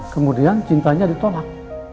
kemudian cintanya ditolak